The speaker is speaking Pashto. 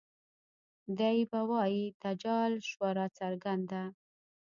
دے به وائي تجال شوه راڅرګنده